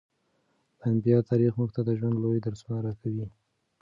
د انبیاوو تاریخ موږ ته د ژوند لوی درسونه راکوي.